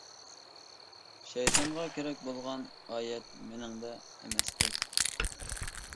شەيتانغا كېرەك بولغان ئايەت مېنىڭدە ئەمەستەك. ؟!